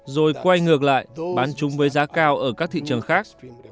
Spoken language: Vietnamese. rồi quay ngược lại bán chúng với giá cao ở các thị trường khác